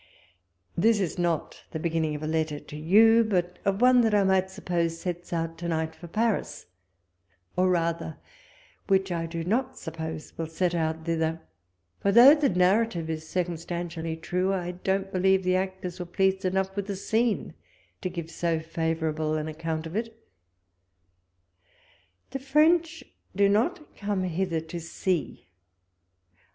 — This is not the beginning of a letter to you, but of one that I might suppose sets out to night for Paris, or rather, which I do not suppose will set out thither ; for though the narrative is circum stantially true, I don't believe the actors were pleased enough with the scene, to give so favour able an acsount of it. The French do not come hither to see.